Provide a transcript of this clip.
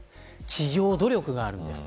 企業努力があるんです。